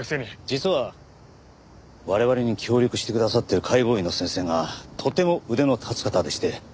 実は我々に協力してくださっている解剖医の先生がとても腕の立つ方でして。